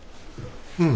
うん。